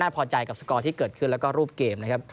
พอใจกับสกอร์ที่เกิดขึ้นแล้วก็รูปเกมนะครับ